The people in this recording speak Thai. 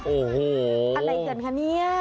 โอ้โหอะไรกันคะเนี่ย